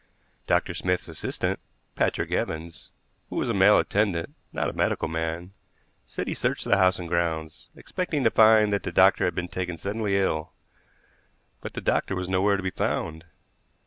Dr. Smith's assistant, Patrick Evans, who was a male attendant, not a medical man, said he searched the house and grounds, expecting to find that the doctor had been taken suddenly ill; but the doctor was nowhere to be found.